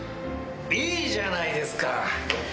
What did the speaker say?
いいじゃないですか！